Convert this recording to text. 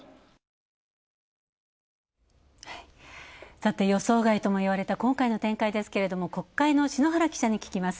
さて予想外ともいわれた今回の展開ですが、国会の篠原記者に聞きます。